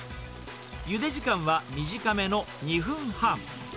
ゆで時間は短めの２分半。